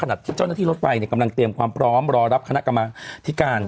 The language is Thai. ขณะที่เจ้าหน้าที่รถไฟกำลังเตรียมความพร้อมรอรับคณะกรรมธิการ